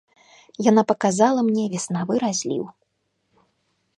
Яна паказала мне веснавы разліў.